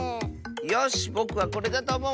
よしぼくはこれだとおもう！